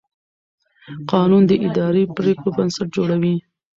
قانون د اداري پرېکړو بنسټ جوړوي.